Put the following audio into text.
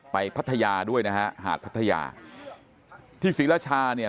พัทยาด้วยนะฮะหาดพัทยาที่ศรีราชาเนี่ย